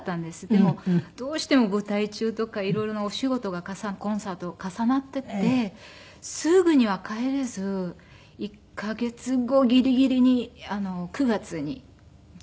でもどうしても舞台中とか色々なお仕事がコンサートが重なっていてすぐには帰れず１カ月後ギリギリに９月に帰らせて頂いて。